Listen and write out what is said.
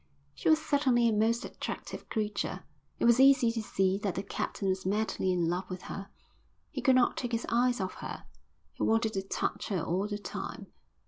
She was certainly a most attractive creature. It was easy to see that the captain was madly in love with her. He could not take his eyes off her; he wanted to touch her all the time.